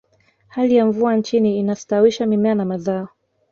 hali ya mvua nchini inastawisha mimea na mazao